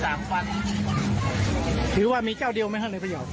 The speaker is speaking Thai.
จริงหรือว่ามีเจ้าเดียวไหมฮะในพญาว